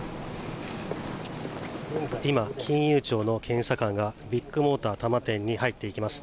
今、金融庁の検査官がビッグモーター多摩店に入っていきます。